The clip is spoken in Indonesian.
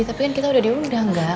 tapi kan kita udah diundang nggak